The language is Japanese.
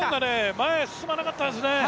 前へ進まなかったですね。